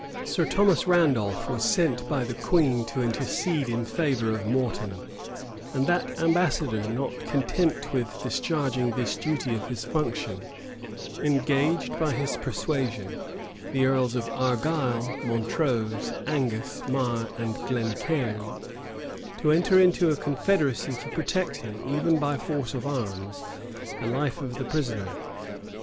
Sir Thomas Randolph was sent by the queen to intercede in favor of Morton; and that ambassador, not content with discharging this duty of his function, engaged, by his persuasion, the earls of Argyle, Montrose, Angus, Marre, and Glencairne, to enter into a confederacy for protecting, even by force of arms, the life of the prisoner.